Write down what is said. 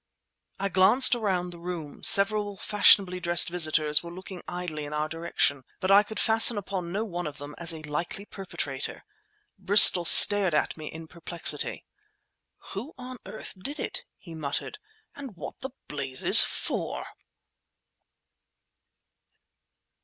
I glanced around the room. Several fashionably dressed visitors were looking idly in our direction, but I could fasten upon no one of them as a likely perpetrator. Bristol stared at me in perplexity. "Who on earth did it," he muttered, "and what the blazes for?"